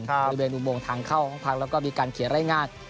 ในบริเวณอุโมงทางเข้าของภาคแล้วก็มีการเขียนไล่งาน